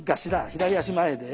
左足前で。